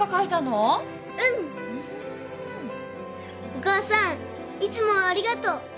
お母さんいつもありがとう。